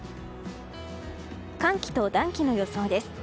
寒気と暖気の予想です。